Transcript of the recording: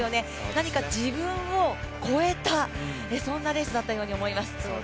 何か自分を超えた、そんなレースだったように思います。